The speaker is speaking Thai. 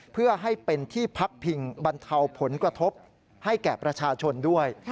เพื่อให้เป็นที่พักพิงบรรเทาผลกระทบให้แก่ประชาชนด้วย